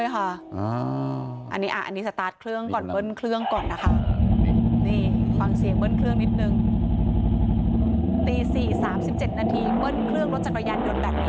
ตีสี่สามสิบเจ็ดนาทีเบิ้ลเครื่องรถจักรยานยนต์แบบนี้